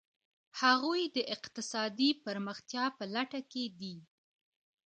هغوی د اقتصادي پرمختیا په لټه کې دي.